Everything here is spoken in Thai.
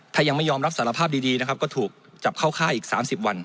ถ้ายังไม่ยอมรับสารภาพดีนะครับก็ถูกจับเข้าค่ายอีก๓๐วัน